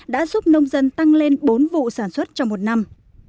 đã giúp nông dân tăng lên bốn vụ sản xuất trong một năm